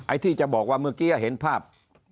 ที่จะบอกว่าเมื่อกี้เห็นภาพ